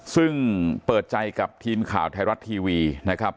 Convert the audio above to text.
ซึ่งเปิดใจกับทีมข่าวไทยรัฐทีวีนะครับ